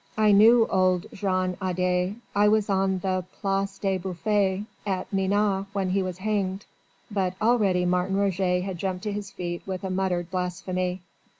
I knew old Jean Adet.... I was on the Place du Bouffay at Nantes when he was hanged...." But already Martin Roget had jumped to his feet with a muttered blasphemy.